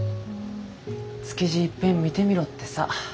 築地いっぺん見てみろってさ。